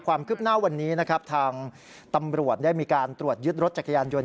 ความคืบหน้าวันนี้นะครับทางตำรวจได้มีการตรวจยึดรถจักรยานยนต